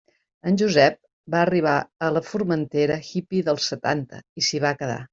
En Josep va arribar a la Formentera hippy dels setanta i s'hi va quedar.